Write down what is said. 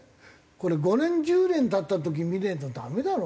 これ５年１０年経った時見ねえとダメだろ。